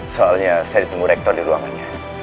soalnya saya ditunggu rektor di ruangannya